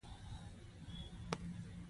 د سبزیجاتو د کرنې لپاره غوره تخمونه وټاکل شي.